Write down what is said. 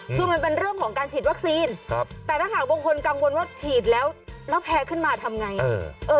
คือมันเป็นเรื่องของการฉีดวัคซีนแต่ถ้าหากบางคนกังวลว่าฉีดแล้วแพ้ขึ้นมาทำไง